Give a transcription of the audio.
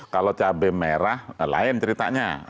kalau cabai merah lain ceritanya